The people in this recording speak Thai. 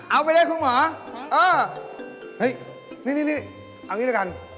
เอาไปแล้วคุณหมอเอ้อหนึ่งเอางี้ด้วยกัน